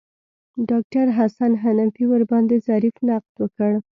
ډاکتر حسن حنفي ورباندې ظریف نقد وکړ.